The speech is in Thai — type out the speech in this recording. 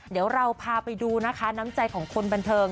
เดี๋ยวเราพาไปดูนะคะน้ำใจของคนบันเทิง